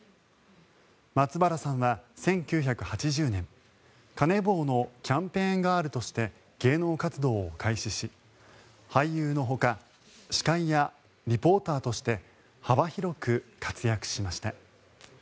松原さんは１９８０年カネボウのキャンペーンガールとして芸能活動を開始し俳優のほか司会やリポーターとして幅広く活躍しました。